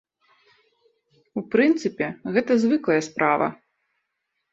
У прынцыпе, гэта звыклая справа.